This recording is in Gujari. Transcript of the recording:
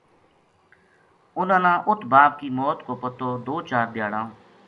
اُنھاں نا اُت باپ کی موت کو پتو دو چار دھیاڑاں